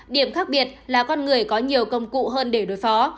điểm khác biệt là con người có nhiều công cụ hơn để đối phó